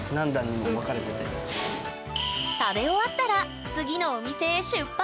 食べ終わったら次のお店へ出発！